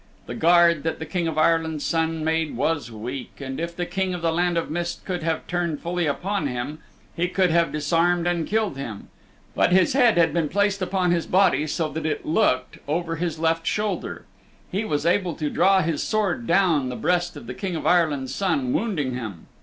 The guard that the King of Ireland's Son made was weak, and if the King of the Land of Mist could have turned fully upon him, he could have disarmed and killed him. But his head had been so placed upon his body that it looked The King of the Land of Mist 237 over his left shoulder. He was able to draw his sword down the breast of the King of Ireland's Son, wounding him.